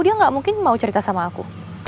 dia gak mungkin mau cerita sama aku